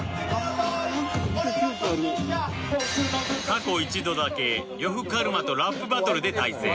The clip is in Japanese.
過去一度だけ呂布カルマとラップバトルで対戦